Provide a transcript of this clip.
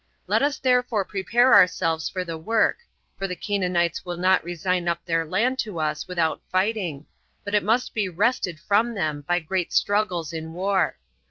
Let us therefore prepare ourselves for the work, for the Canaanites will not resign up their land to us without fighting, but it must be wrested from them by great struggles in war.